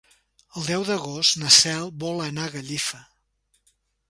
El deu d'agost na Cel vol anar a Gallifa.